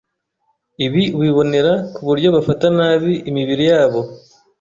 Ibi ubibonera ku buryo bafata nabi imibiri yabo